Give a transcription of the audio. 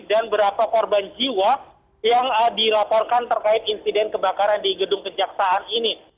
dan berapa korban jiwa yang dilaporkan terkait insiden kebakaran di gedung kejaksaan ini